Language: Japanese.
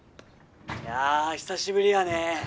いや久しぶりやね。